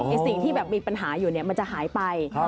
สิ่งที่แบบมีปัญหาอยู่เนี่ยมันจะหายไป